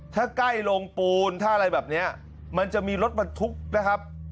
ถ้าใกล้โรงปูนถ้าอะไรแบบนี้มันจะมีรถบรรทุกนะครับ